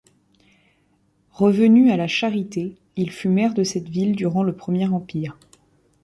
Revenu à La Charité, il fut maire de cette ville durant le Premier Empire.